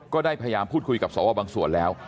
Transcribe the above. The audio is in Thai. ก็ได้พยายามพูดคุยกับสวบางส่วนแล้ว